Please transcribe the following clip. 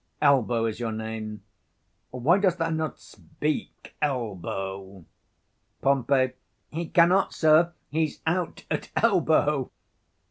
Elbow is your name? why dost thou not speak, Elbow? Pom. He cannot, sir; he's out at elbow.